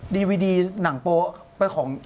ดีวีดีหนังโปร่งหรือเป็นของ